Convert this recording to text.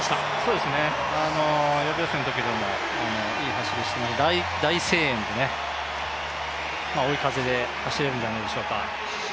予備予選のときもいい走りをしまして、大声援でね、追い風で走れるんじゃないでしょうか。